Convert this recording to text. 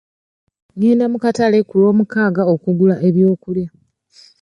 Ngenda mu katale ku lwomukaaga okugula ebyokulya.